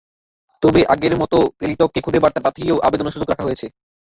তবে আগের মতো টেলিটকে খুদে বার্তা পাঠিয়েও আবেদনের সুযোগ রাখা হয়েছে।